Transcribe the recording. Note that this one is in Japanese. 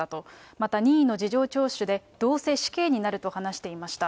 また任意の事情聴取で、どうせ死刑になると話していました。